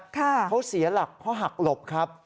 เขาเสียหลักเพราะหักหลบครับ